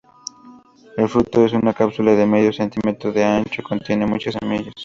El fruto es una cápsula de medio centímetro de ancho que contiene muchas semillas.